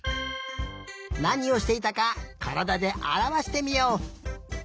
なにをしていたかからだであらわしてみよう。